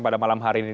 pada malam hari ini